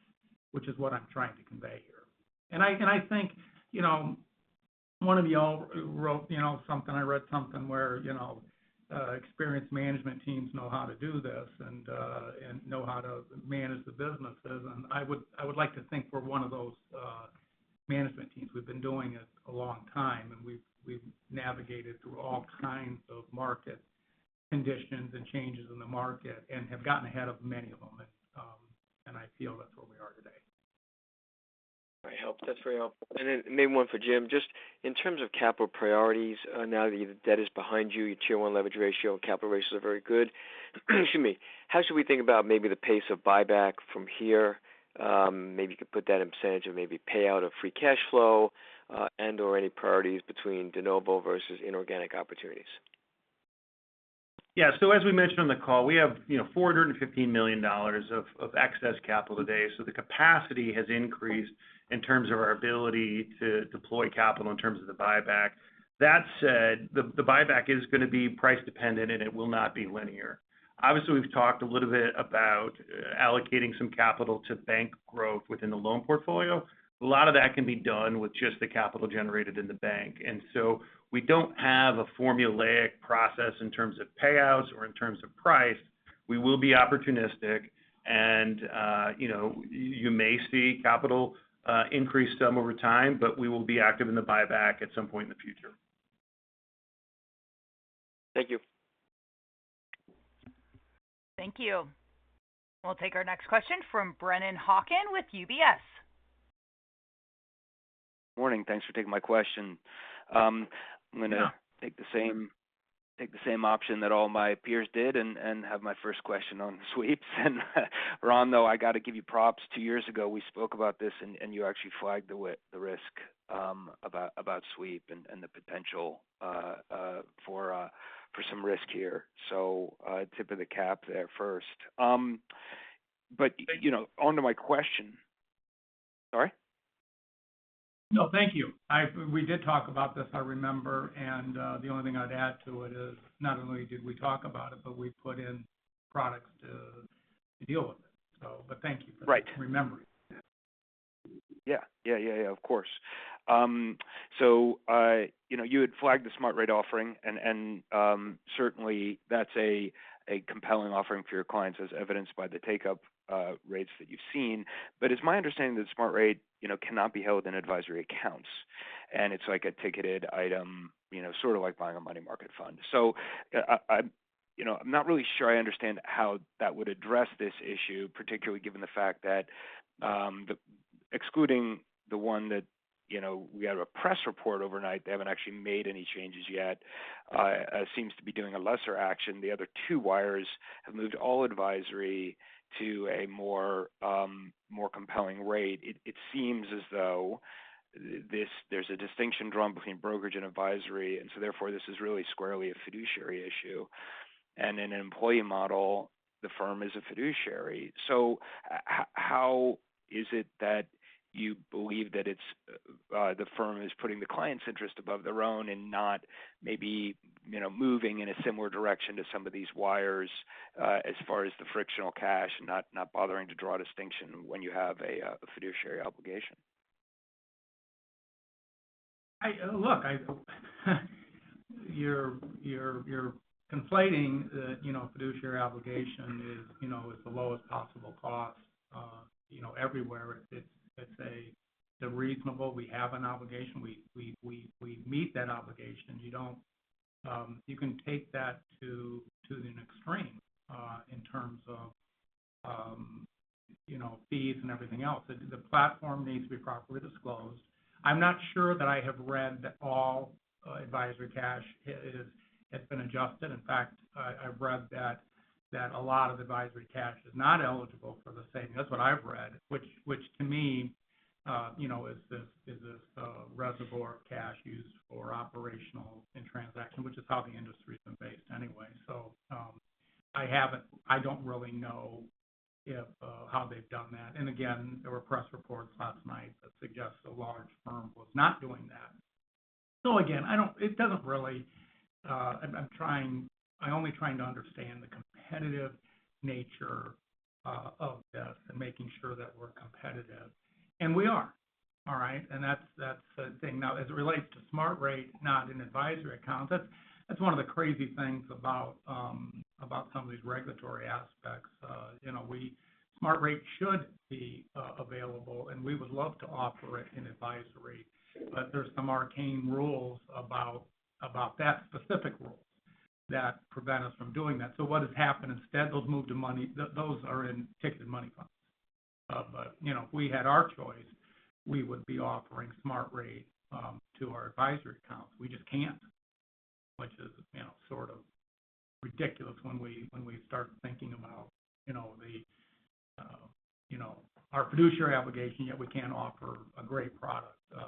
which is what I'm trying to convey here. And I think, you know, one of y'all wrote, you know, something. I read something where, you know, experienced management teams know how to do this and know how to manage the businesses. And I would like to think we're one of those management teams. We've been doing it a long time, and we've navigated through all kinds of market conditions and changes in the market and have gotten ahead of many of them. And I feel that's where we are today. I hope that's very helpful. And then maybe one for Jim. Just in terms of capital priorities, now that the debt is behind you, your Tier One leverage ratio and capital ratios are very good. Excuse me. How should we think about maybe the pace of buyback from here? Maybe you could put that in percentage of maybe payout of free cash flow, and/or any priorities between de novo versus inorganic opportunities. Yeah. So as we mentioned on the call, we have, you know, $415 million of excess capital today. So the capacity has increased in terms of our ability to deploy capital in terms of the buyback. That said, the buyback is going to be price dependent, and it will not be linear. Obviously, we've talked a little bit about allocating some capital to bank growth within the loan portfolio. A lot of that can be done with just the capital generated in the bank. And so we don't have a formulaic process in terms of payouts or in terms of price. We will be opportunistic, and, you know, you may see capital increase some over time, but we will be active in the buyback at some point in the future. Thank you. Thank you. We'll take our next question from Brennan Hawken with UBS. Morning. Thanks for taking my question. I'm gonna take the same option that all my peers did and have my first question on sweeps. Ron, though, I got to give you props. Two years ago, we spoke about this, and you actually flagged the risk about sweep and the potential for some risk here. So, tip of the cap there first. But, you know, onto my question. Sorry? No, thank you. We did talk about this, I remember, and, the only thing I'd add to it is, not only did we talk about it, but we put in products to, to deal with it. So but thank you. Right. For remembering. Yeah. Yeah, yeah, yeah, of course. So, you know, you had flagged the Smart Rate offering, and certainly that's a compelling offering for your clients, as evidenced by the take-up rates that you've seen. But it's my understanding that Smart Rate, you know, cannot be held in advisory accounts, and it's like a ticketed item, you know, sort of like buying a money market fund. So I, you know, I'm not really sure I understand how that would address this issue, particularly given the fact that, excluding the one that, you know, we had a press report overnight, they haven't actually made any changes yet, seems to be doing a lesser action. The other two wires have moved all advisory to a more compelling rate. It seems as though this, there's a distinction drawn between brokerage and advisory, and so therefore, this is really squarely a fiduciary issue. And in an employee model, the firm is a fiduciary. So how is it that you believe that it's the firm is putting the client's interest above their own and not maybe, you know, moving in a similar direction to some of these wires, as far as the frictional cash, and not, not bothering to draw distinction when you have a fiduciary obligation? Look, you're conflating the, you know, fiduciary obligation is, you know, the lowest possible cost, you know, everywhere. It's reasonable. We have an obligation. We meet that obligation. You don't. You can take that to an extreme in terms of, you know, fees and everything else. The platform needs to be properly disclosed. I'm not sure that I have read that all advisory cash has been adjusted. In fact, I've read that a lot of advisory cash is not eligible for the same. That's what I've read, which to me, you know, is this reservoir of cash used for operational and transaction, which is how the industry's been based anyway. So, I haven't. I don't really know if how they've done that. And again, there were press reports last night that suggest a large firm was not doing that. So again, I don't. It doesn't really. I'm trying. I'm only trying to understand the competitive nature of this and making sure that we're competitive. And we are, all right? And that's the thing. Now, as it relates to Smart Rate, not in advisory accounts, that's one of the crazy things about some of these regulatory aspects. You know, Smart Rate should be available, and we would love to offer it in advisory, but there's some arcane rules about that, specific rules, that prevent us from doing that. So what has happened instead, those move to money. Those are in ticketed money funds. But you know, if we had our choice, we would be offering Smart Rate to our advisory accounts. We just can't, which is, you know, sort of ridiculous when we start thinking about, you know our fiduciary obligation, yet we can't offer a great product, so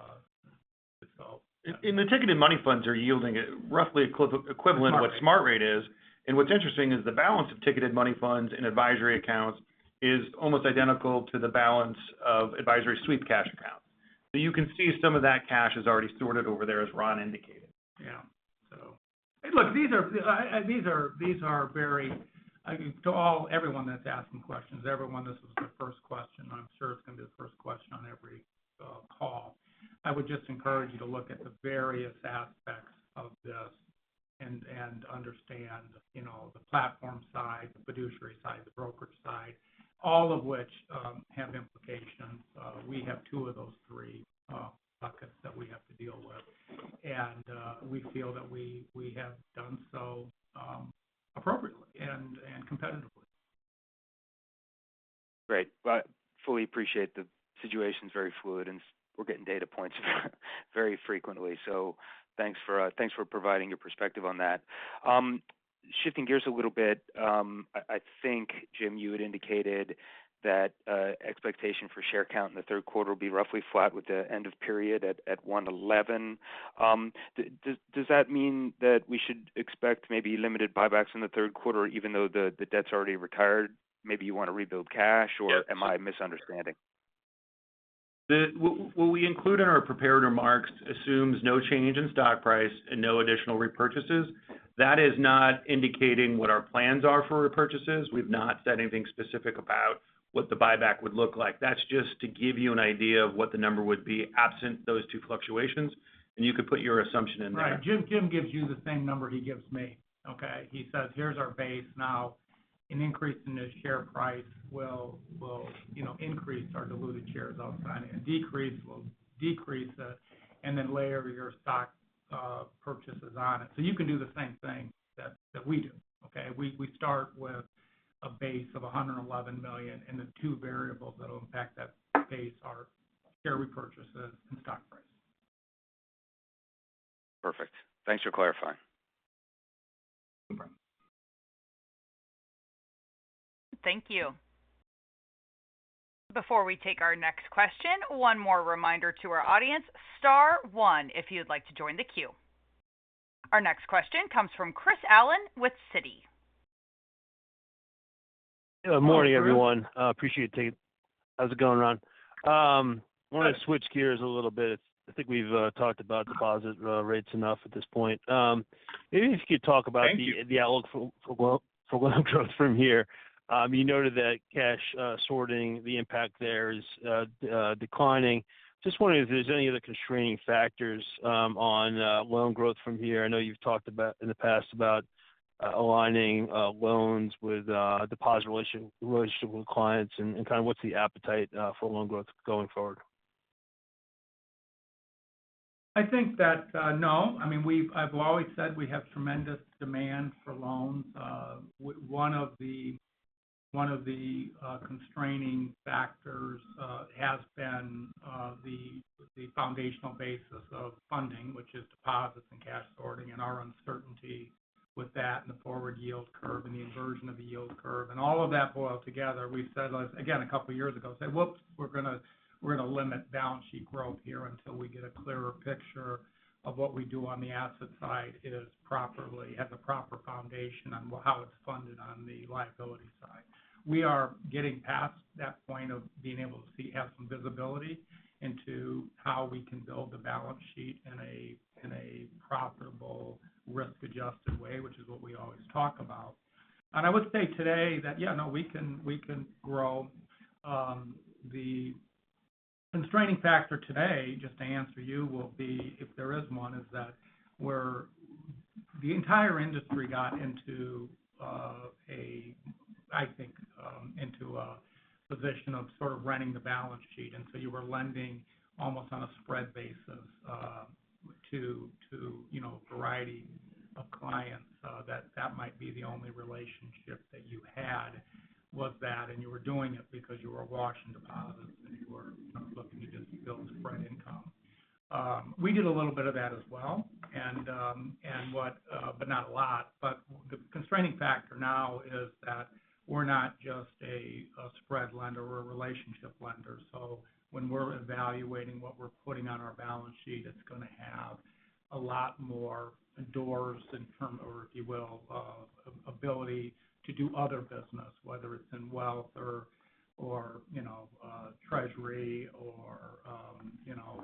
yeah. The ticketed money funds are yielding at roughly equivalent- Right. -what Smart Rate is. What's interesting is the balance of ticketed money funds in advisory accounts is almost identical to the balance of advisory sweep cash accounts. You can see some of that cash is already sorted over there, as Ron indicated. Yeah. So Hey, look, these are, these are very, to all, everyone that's asking questions, everyone, this is the first question, I'm sure it's going to be the first question on every, call. I would just encourage you to look at the various aspects of this and, and understand, you know, the platform side, the fiduciary side, the brokerage side, all of which, have implications. We have two of those three, buckets that we have to deal with, and, we feel that we, we have done so, appropriately and, and competitively. Great. Well, I fully appreciate the situation's very fluid, and we're getting data points very frequently. So thanks for, thanks for providing your perspective on that. Shifting gears a little bit. I think, Jim, you had indicated that expectation for share count in the third quarter will be roughly flat with the end of period at 111. Does that mean that we should expect maybe limited buybacks in the third quarter, even though the debt's already retired? Maybe you want to rebuild cash, or- Yeah. Am I misunderstanding? What we include in our prepared remarks assumes no change in stock price and no additional repurchases. That is not indicating what our plans are for repurchases. We've not said anything specific about what the buyback would look like. That's just to give you an idea of what the number would be absent those two fluctuations, and you could put your assumption in there. Right. Jim, Jim gives you the same number he gives me, okay? He says, "Here's our base. Now, an increase in the share price will, you know, increase our diluted shares outstanding. A decrease will decrease it, and then layer your stock purchases on it." So you can do the same thing that we do, okay? We start with a base of 111 million, and the two variables that'll impact that base are share repurchases and stock price. Perfect. Thanks for clarifying. No problem. Thank you. Before we take our next question, one more reminder to our audience, star one, if you'd like to join the queue. Our next question comes from Chris Allen with Citi. Good morning, everyone. Hi, Chris. Appreciate it. How's it going, Ron? I want to switch gears a little bit. I think we've talked about deposit rates enough at this point. Maybe if you could talk about the- Thank you. The outlook for loan growth from here. You noted that cash sorting, the impact there is declining. Just wondering if there's any other constraining factors on loan growth from here. I know you've talked about, in the past about, aligning loans with deposit relationship with clients and kind of what's the appetite for loan growth going forward? I think that, no. I mean we, I've always said we have tremendous demand for loans. One of the constraining factors has been the foundational basis of funding, which is deposits and cash sorting, and our uncertainty with that and the forward yield curve and the inversion of the yield curve. And all of that boiled together, we said, again, a couple of years ago, said, "Whoops, we're going to, we're going to limit balance sheet growth here until we get a clearer picture of what we do on the asset side is properly, has a proper foundation on how it's funded on the liability side." We are getting past that point of being able to see, have some visibility into how we can build a balance sheet in a, in a profitable, risk-adjusted way, which is what we always talk about. And I would say today that, yeah, no, we can, we can grow. The constraining factor today, just to answer you, will be, if there is one, is that we're the entire industry got into, I think, into a position of sort of running the balance sheet, and so you were lending almost on a spread basis to, to, you know, a variety of clients that that might be the only relationship that you had was that, and you were doing it because you were washing deposits, and you were, you know, looking to just build spread income. We did a little bit of that as well, and, but not a lot. But the constraining factor now is that we're not just a spread lender, we're a relationship lender. So when we're evaluating what we're putting on our balance sheet, it's gonna have a lot more dollars in terms of, or, if you will, ability to do other business, whether it's in wealth or, or, you know, treasury or, you know,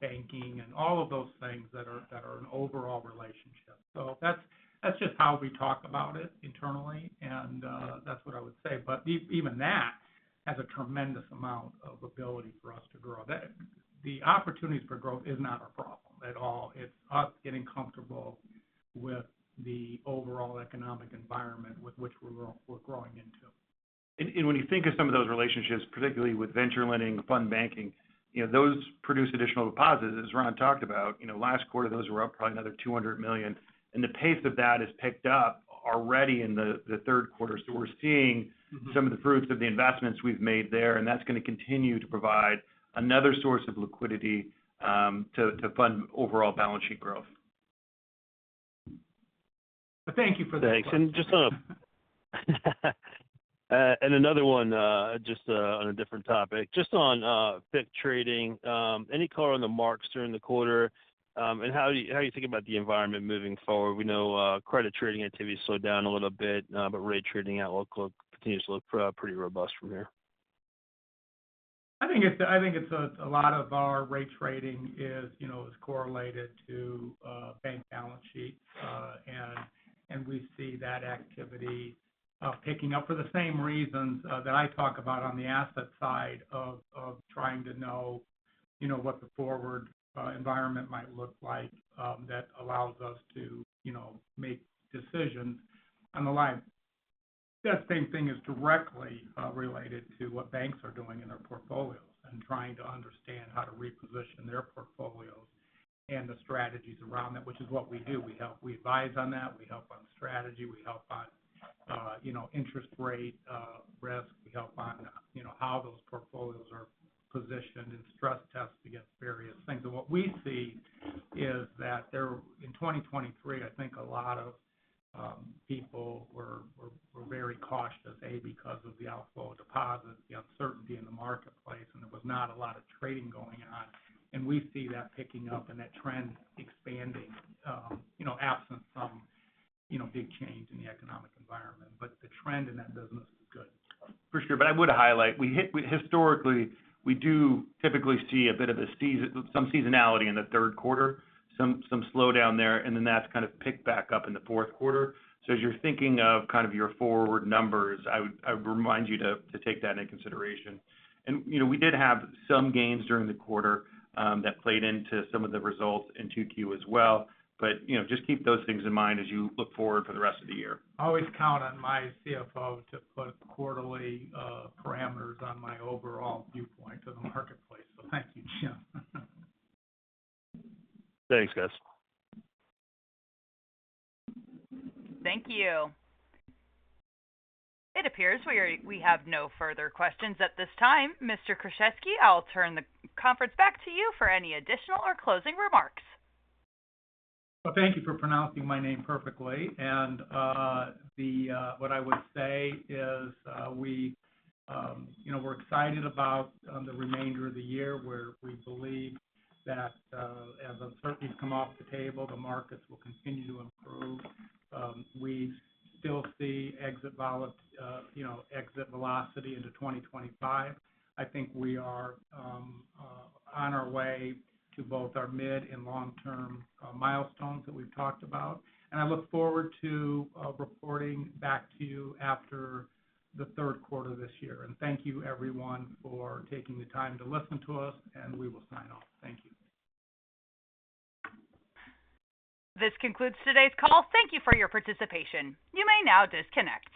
banking and all of those things that are, that are an overall relationship. So that's, that's just how we talk about it internally, and, that's what I would say. But even that has a tremendous amount of ability for us to grow. That-- The opportunities for growth is not a problem at all. It's us getting comfortable with the overall economic environment with which we're grow- we're growing into. And when you think of some of those relationships, particularly with venture lending, fund banking, you know, those produce additional deposits. As Ron talked about, you know, last quarter, those were up probably another $200 million, and the pace of that has picked up already in the third quarter. So we're seeing- Mm-hmm Some of the fruits of the investments we've made there, and that's gonna continue to provide another source of liquidity, to fund overall balance sheet growth. Thank you for the question. Thanks. And just on another one, just on a different topic. Just on FICC trading, any color on the marks during the quarter? And how do you think about the environment moving forward? We know credit trading activity slowed down a little bit, but rate trading outlook continues to look pretty robust from here. I think it's a lot of our rate trading is, you know, is correlated to bank balance sheets. And we see that activity picking up for the same reasons that I talk about on the asset side of trying to know, you know, what the forward environment might look like that allows us to, you know, make decisions on the line. That same thing is directly related to what banks are doing in their portfolios and trying to understand how to reposition their portfolios and the strategies around them, which is what we do. We advise on that, we help on strategy, we help on, you know, interest rate risk. We help on, you know, how those portfolios are positioned and stress tested against various things. What we see is that there in 2023, I think a lot of people were very cautious because of the outflow of deposits, the uncertainty in the marketplace, and there was not a lot of trading going on. We see that picking up and that trend expanding, you know, absent some, you know, big change in the economic environment. But the trend in that business is good. For sure, but I would highlight, we historically do typically see a bit of seasonality in the third quarter, some slowdown there, and then that's kind of picked back up in the fourth quarter. So as you're thinking of your forward numbers, I would remind you to take that into consideration. And, you know, we did have some gains during the quarter that played into some of the results in 2Q as well. But, you know, just keep those things in mind as you look forward for the rest of the year. Always count on my CFO to put quarterly parameters on my overall viewpoint of the marketplace. So thank you, Jim. Thanks, guys. Thank you. It appears we have no further questions at this time. Mr. Kruszewski, I'll turn the conference back to you for any additional or closing remarks. Well, thank you for pronouncing my name perfectly. And what I would say is, we, you know, we're excited about the remainder of the year, where we believe that as uncertainties come off the table, the markets will continue to improve. We still see exit velocity into 2025. I think we are on our way to both our mid- and long-term milestones that we've talked about. And I look forward to reporting back to you after the third quarter this year. And thank you, everyone, for taking the time to listen to us, and we will sign off. Thank you. This concludes today's call. Thank you for your participation. You may now disconnect.